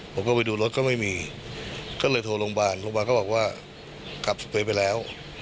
ผมก็ไปดูรถก็ไม่มีก็เลยโทรโรงบารโรงบารก็บอกกลับสุดไปไปแล้ว